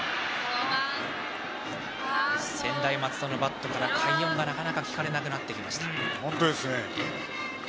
専大松戸のバットから快音がなかなか聞かれなくなってきました。